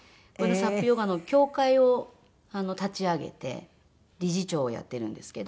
サップヨガの協会を立ち上げて理事長をやってるんですけど。